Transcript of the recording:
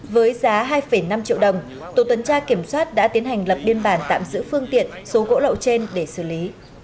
với giá hai năm triệu đồng tổ tuần tra kiểm soát đã tiến hành lập biên bản tạm giữ phương tiện số gỗ lậu trên để xử lý